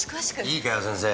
いいか先生。